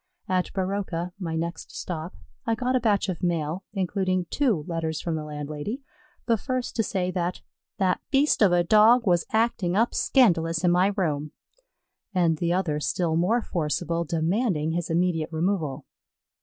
At Baroka, my next stop, I got a batch of mail including two letters from the landlady; the first to say that "that beast of a Dog was acting up scandalous in my room," and the other still more forcible, demanding his immediate removal.